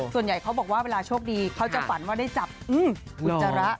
ส่วนใหญ่เขาบอกว่าเวลาโชคดีเขาจะฝันว่าได้จับอุจจาระ